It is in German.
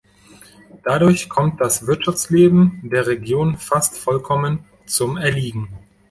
Dadurch kommt das Wirtschaftsleben der Region fast vollkommen zum Erliegen.